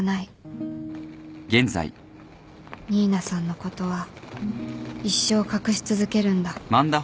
新名さんのことは一生隠し続けるんだ